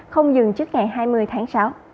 không dừng trước ngày hai mươi tháng sáu